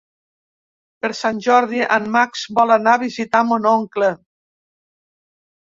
Per Sant Jordi en Max vol anar a visitar mon oncle.